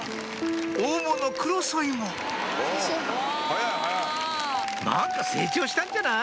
大物クロソイも何か成長したんじゃない？